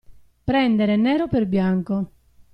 Prendere nero per bianco.